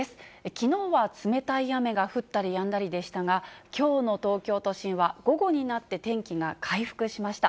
きのうは冷たい雨が降ったりやんだりでしたが、きょうの東京都心は午後になって天気が回復しました。